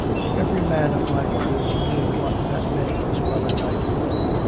Every man of my crew knew what that meant as well as I did.